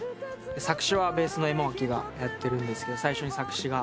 作詞はベースのエモアキがやってるんですけど最初に作詞が。